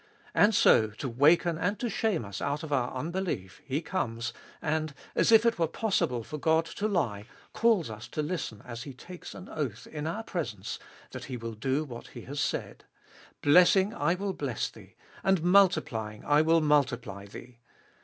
And so, to waken and to shame us out of our unbelief, He comes, and, as if it were possible for God to lie, calls us to listen as He takes an oath in our presence that He will do what He has said : Blessing I will bless thee, and multiplying I will multiply thee.